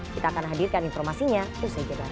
kita akan hadirkan informasinya terus saja bang